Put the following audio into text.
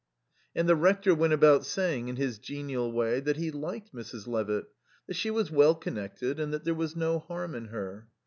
And the Rector went about saying, in his genial way, that he liked Mrs. Levitt, that she was well connected, and that there was no harm in her.